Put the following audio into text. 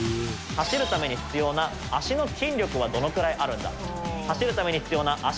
走るために必要な脚のバネの力はどのくらいあるんだ。